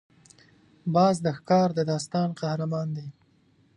باز د ښکار د داستان قهرمان دی